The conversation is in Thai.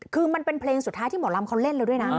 คือมันเป็นเพลงสุดท้ายที่หมอลำเขาเล่นแล้วด้วยนะ